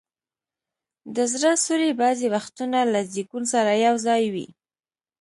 د زړه سوري بعضي وختونه له زیږون سره یو ځای وي.